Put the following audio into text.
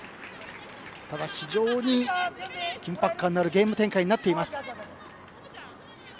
ただ、非常に緊迫感のあるゲーム展開になっています。